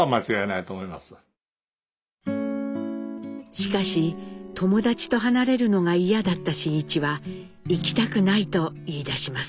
しかし友達と離れるのが嫌だった真一は行きたくないと言いだします。